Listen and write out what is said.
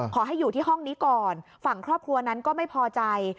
ขอให้อยู่ที่ห้องนี้ก่อนฝั่งครอบครัวนั้นก็ไม่พอใจ